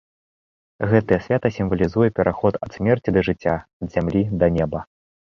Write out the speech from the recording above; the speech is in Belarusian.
Гэтае свята сімвалізуе пераход ад смерці да жыцця, ад зямлі да неба.